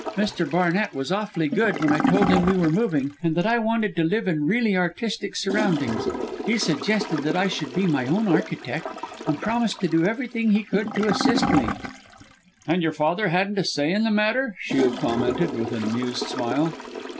Mr. Barnett was awfully good, when I told him we were moving, and that I wanted to live in really artistic surroundings he suggested that I should be my own architect, and promised to do everything he could to assist me," "And your father hadn't a say in the matter," Shiel commented, with an amused smile.